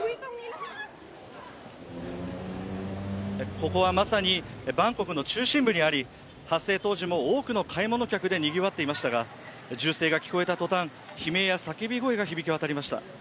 ここはまさにバンコクの中心部にあり、発生当時も多くの買い物客でにぎわっていましたが、銃声が聞こえたとたん、悲鳴や叫び声が響き渡りました。